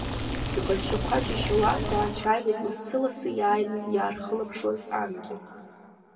Иҟазшьақәа џьашьауа даацәажәеит лассы-лассы иааины иаархылаԥшуаз ангьы.